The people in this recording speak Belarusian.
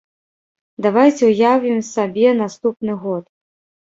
Давайце ўявім сабе наступны год.